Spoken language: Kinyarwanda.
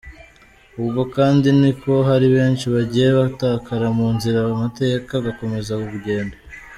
Ubwo kandi ni ko hari benshi bagiye batakara mu nzira, amateka agakomeza urugendo.